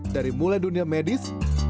dari mulai dunia medis